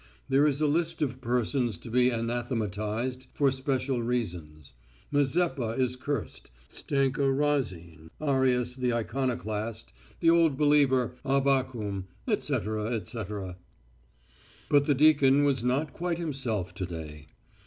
There is a list of persons to be anathematised for special reasons, Mazeppa is cursed, Stenka Razin, Arius the iconoclast, the old believer Avvakum, etc., etc. But the deacon was not quite himself to day.